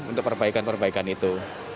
untuk perbaikan perbaikan itu